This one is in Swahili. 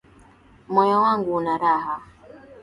Moyo wangu unaraha